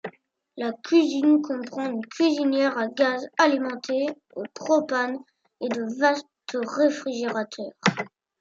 La cuisine comprend une cuisinière à gaz alimentée au propane, et de vastes réfrigérateurs.